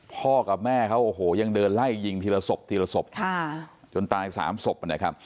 พ่อกับแม่เขายังเดินไล่ยิงทีละศพจนตาย๓ศพ